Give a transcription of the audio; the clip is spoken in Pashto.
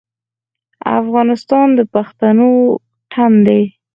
افغانستان د پښتنو تن دی